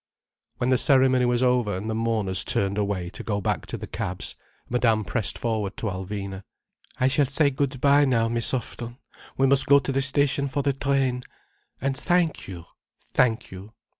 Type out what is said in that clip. When the ceremony was over, and the mourners turned away to go back to the cabs, Madame pressed forward to Alvina. "I shall say good bye now, Miss Houghton. We must go to the station for the train. And thank you, thank you.